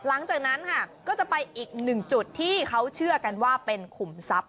หลังจากนั้นค่ะก็จะไปอีกหนึ่งจุดที่เขาเชื่อกันว่าเป็นขุมทรัพย